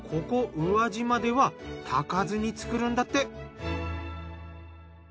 宇和島では炊かずに作るんだって。